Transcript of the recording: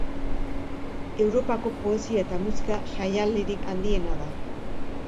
Europako poesia eta musika jaialdirik handiena da.